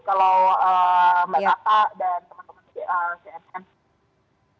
kalau mbak tata dan teman teman di cnn